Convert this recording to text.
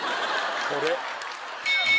これ。